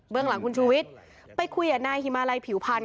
เบื้องหลังคุณชุวิตไปคุยกับนายฮิมาลัยผิวพันธ์